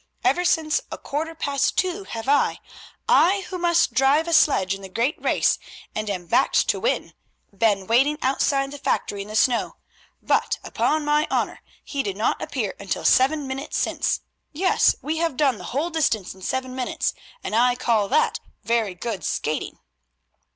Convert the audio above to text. Ever since a quarter past two have I—I who must drive a sledge in the great race and am backed to win—been waiting outside that factory in the snow, but, upon my honour, he did not appear until seven minutes since. Yes, we have done the whole distance in seven minutes, and I call that very good skating."